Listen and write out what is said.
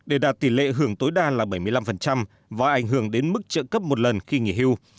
để đạt tỷ lệ hưởng tối đa là bảy mươi năm và ảnh hưởng đến mức trợ cấp một lần khi nghỉ hưu